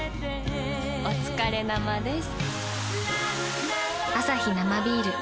おつかれ生です。